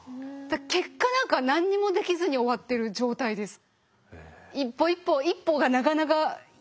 結果何か何にもできずに終わってる状態です。